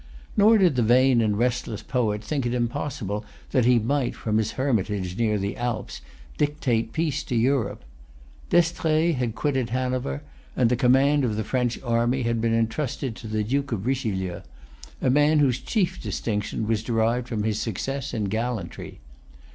Nor did the vain and restless poet think it impossible that he might, from his hermitage near the Alps, dictate peace to Europe. D'Estrées had quitted Hanover, and the command of the French army had been entrusted to the Duke of Richelieu, a man whose chief distinction was derived from his success in gallantry.